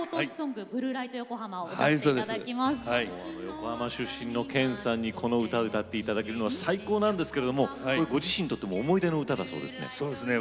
横浜出身の剣さんにこの歌を歌って頂けるのは最高なんですけれどもご自身にとっても思い出の歌だそうですね。